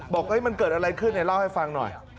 บอกมันเกิดอะไรขึ้นเล่าให้ฟังหน่อย